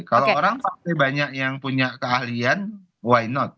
kalau orang pasti banyak yang punya keahlian why not